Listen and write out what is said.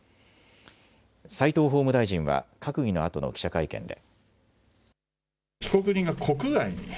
齋藤法務大臣は閣議のあとの記者会見で。